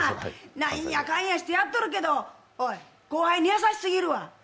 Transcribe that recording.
なんやかんややっとるけど、おい、後輩に優しすぎるわ。